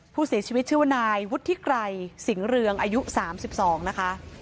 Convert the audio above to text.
ผู้เสียชีวิตชื่อว่านายวุฒิไกรสิงห์เรืองอายุ๓๒นะคะ